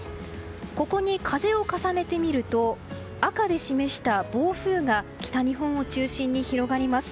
ここに風を重ねてみると赤で示した暴風が北日本を中心に広がります。